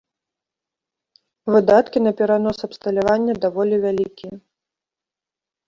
Выдаткі на перанос абсталявання даволі вялікія.